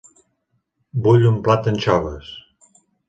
Vull un plat d'anxoves.